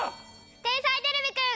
「天才てれびくん」